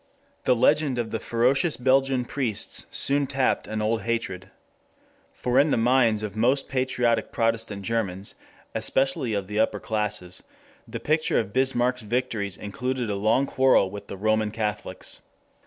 The legend of the ferocious Belgian priests soon tapped an old hatred. For in the minds of most patriotic protestant Germans, especially of the upper classes, the picture of Bismarck's victories included a long quarrel with the Roman Catholics.